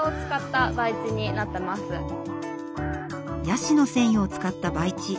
ヤシの繊維を使った培地。